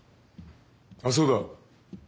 あっそうだ。